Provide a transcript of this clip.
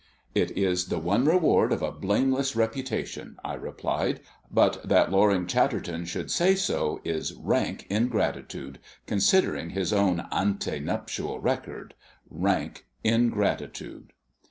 "It is the one reward of a blameless reputation," I replied; "but that Loring Chatterton should say so is rank ingratitude, considering his own ante nuptial record. Rank ingratitude."